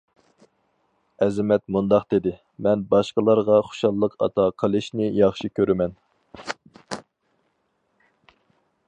ئەزىمەت مۇنداق دېدى: مەن باشقىلارغا خۇشاللىق ئاتا قىلىشنى ياخشى كۆرىمەن.